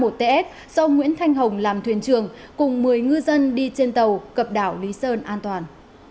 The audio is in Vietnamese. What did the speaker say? tàu ts do nguyễn thanh hồng làm thuyền trường cùng một mươi ngư dân đi trên tàu cập đảo lý sơn an toàn